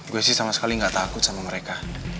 gue sih sama sekali nggak takut sama mereka